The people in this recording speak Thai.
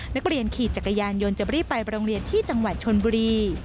นักเรียนขี่จักรยานยนต์จะรีบไปโรงเรียนที่จังหวัดชนบุรี